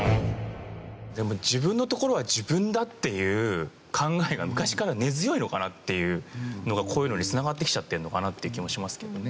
自分のところは自分だっていう考えが昔から根強いのかなっていうのがこういうのに繋がってきちゃってんのかなっていう気もしますけどね。